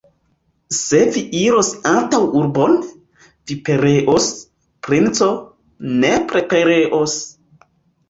Se vi iros antaŭurbon, vi pereos, princo, nepre pereos!